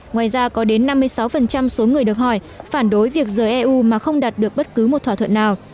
ngoài ra có đến năm mươi sáu số người được hỏi phản đối việc rời eu mà không đạt được bất cứ một thỏa thuận nào